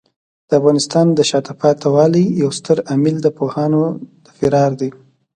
د افغانستان د شاته پاتې والي یو ستر عامل د پوهانو د فرار دی.